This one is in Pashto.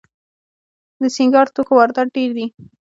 د سینګار توکو واردات ډیر دي